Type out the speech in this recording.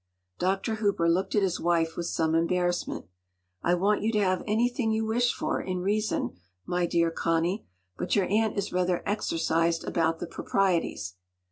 Dr. Hooper looked at his wife with some embarrassment. “I want you to have anything you wish for—in reason—my dear Connie; but your aunt is rather exercised about the proprieties.